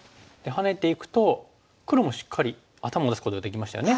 ハネていくと黒もしっかり頭を出すことができましたよね。